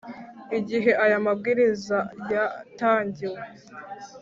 Igihe aya mabwiriza ya tangiwe